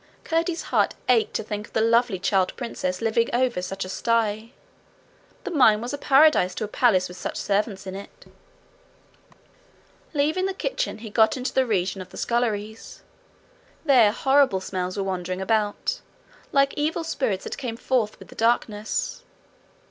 Curdie's heart ached to think of the lovely child princess living over such a sty. The mine was a paradise to a palace with such servants in it. Leaving the kitchen, he got into the region of the sculleries. There horrible smells were wandering about, like evil spirits that come forth with the darkness.